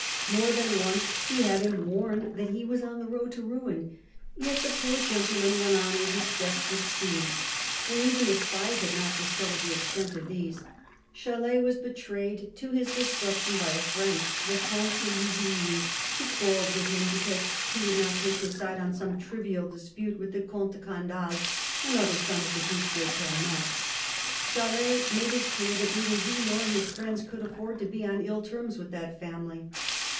More than once he had him warned that he was on the road to ruin ; yet " the poor gentleman " went on with his desperate schemes. And even the spies had not discovered the extent of these. Chalais was betrayed to his destruction by a friend, the Comte de Louvigny, who quarrelled with him because he would not take his side in some trivial dispute with the Comte de Candale, another son of the Due d'fipernon. Chalais made it clear that neither he nor his friends could afford to be on ill terms with that family.